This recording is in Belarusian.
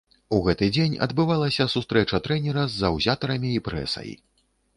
У гэты дзень адбывалася сустрэча трэнера з заўзятарамі і прэсай.